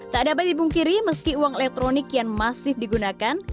tak dapat dibungkiri meski uang elektronik yang masif digunakan